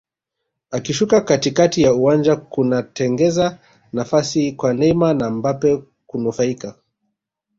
Akishuka katikati ya uwanja kunatengeza nafasi kwa Neymar na Mbappe kunufaika